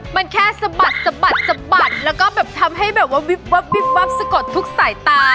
มันแค่สะบัดแล้วก็แบบทำให้แบบวิบสะกดทุกสายตา